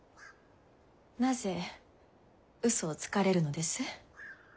なぜ嘘をつかれるのです？